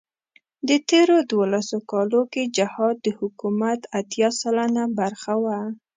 په تېرو دولسو کالو کې جهاد د حکومت اتيا سلنه برخه وه.